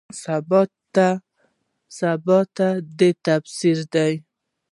سباته ده تفسیر